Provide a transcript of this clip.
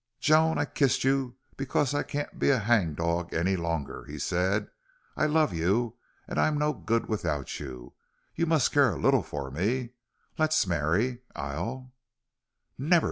"Joan, I kissed you because I can't be a hangdog any longer," he said. "I love you and I'm no good without you. You must care a little for me. Let's marry... I'll " "Never!"